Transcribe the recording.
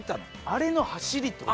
あれの走りって事。